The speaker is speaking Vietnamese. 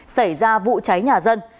xảy ra vụ cháy nhà dân